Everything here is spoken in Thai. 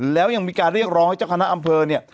แล้วยังมีการเรียกร้องให้เจ้าคณะอำเภอเนี่ย